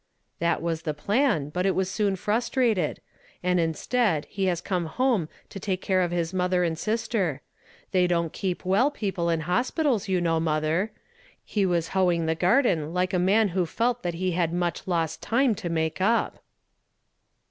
"That was the plan, but it has been frustrated; and instead, he has come home to take care of his motlier and sister. They don't keep well people in hospitals, you know, mother. He was hoeing the garden like a man who felt that he had much lost tim.» to make up."